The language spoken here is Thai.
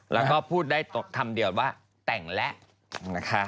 แล้วก็พูดได้ตกคำเดียวว่าแต่งแล้วนะคะ